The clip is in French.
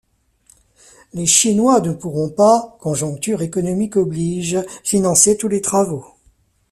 Les Chinois ne pourront pas, conjoncture économique oblige, financer tous les travaux.